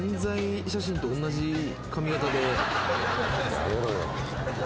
やめろよ。